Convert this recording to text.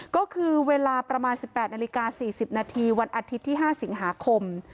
ก็คือเวลาประมาณสิบแปดนาฬิกาสี่สิบนาทีวันอาทิตย์ที่ห้าสิงหาคม